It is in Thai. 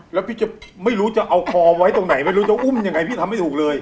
แล้วพี่จะไม่รู้จะเอาคอไว้ตรงไหนไม่รู้จะอุ้มยังไงพี่ทำไม่ถูกเลย